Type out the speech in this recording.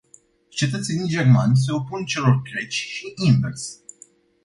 Cetățenii germani se opun celor greci și invers.